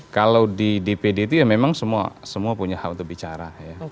kalau di dpd itu ya memang semua punya hak untuk bicara ya